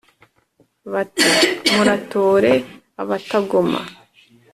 bati : muratore abatagoma